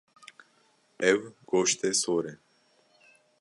Ew goştê sor e.